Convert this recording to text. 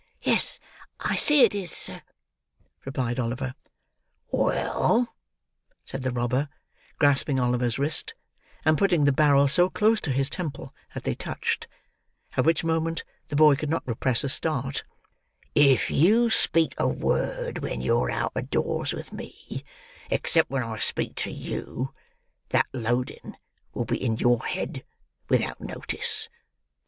"Yes, I see it is, sir," replied Oliver. "Well," said the robber, grasping Oliver's wrist, and putting the barrel so close to his temple that they touched; at which moment the boy could not repress a start; "if you speak a word when you're out o'doors with me, except when I speak to you, that loading will be in your head without notice.